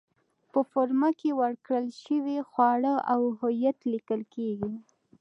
په فورمه کې ورکړل شوي خواړه او هویت لیکل کېږي.